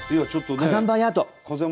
火山灰アート。